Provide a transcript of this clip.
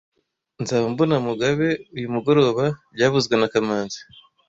Nzaba mbona Mugabe uyu mugoroba byavuzwe na kamanzi